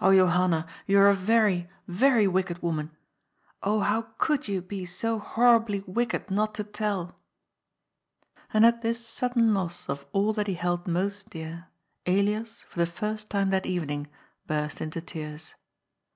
Oh Johanna, you are a very, very wicked woman ! Oh, how could you be so horribly wicked not to tell !" And at this sudden loss of all that he held most dear, Elias, for the first time that evening, burst into tears.